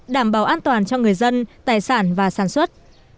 đảm bảo an toàn cho người dân tài sản và sản xuất